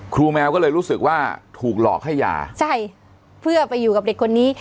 แมวก็เลยรู้สึกว่าถูกหลอกให้ยาใช่เพื่อไปอยู่กับเด็กคนนี้